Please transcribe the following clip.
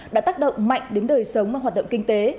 đã tác động mạnh đến đời sống và hoạt động kinh tế